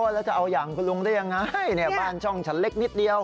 แล้วจะเอาอย่างคุณลุงได้ยังไงบ้านช่องฉันเล็กนิดเดียว